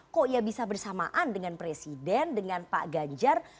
kok ya bisa bersamaan dengan presiden dengan pak ganjar